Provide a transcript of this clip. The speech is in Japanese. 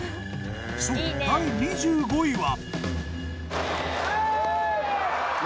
そう第２５位は。